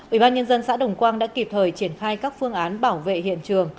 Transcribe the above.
ủy ban nhân dân xã đồng quang đã kịp thời triển khai các phương án bảo vệ hiện trường